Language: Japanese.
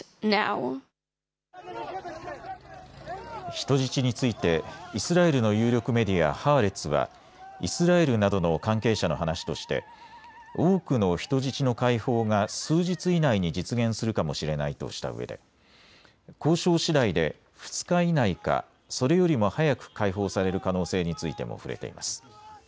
人質についてイスラエルの有力メディア、ハーレツはイスラエルなどの関係者の話として多くの人質の解放が数日以内に実現するかもしれないとしたうえで交渉しだいで２日以内かそれよりも早く解放される可能性についても触れています。